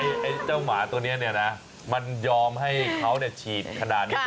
คือเจ้าหมาตัวนี้มันยอมให้เขาฉีดขนาดนี้